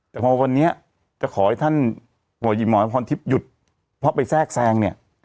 แต่พอวันนี้จะขอให้ท่านหัวหินหมอพรทิพย์หยุดเพราะไปแทรกแทรงเนี่ย